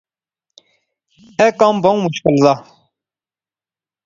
ایہہ کم بہوں مشکل زا